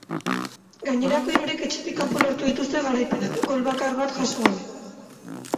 Gainerako hirurek etxetik kanpo lortu dituzte garaipenak, gol bakar bat jaso gabe.